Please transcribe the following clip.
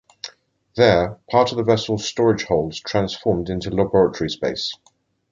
There, part of the vessel's storage holds transformed into laboratory space.